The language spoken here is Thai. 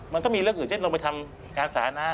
มันก็มีเรื่องอื่นเช่นลงไปทำงานสาธารณะ